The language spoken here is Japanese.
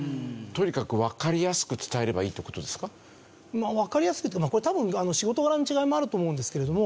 まあわかりやすくっていうかこれ多分仕事柄の違いもあると思うんですけれども。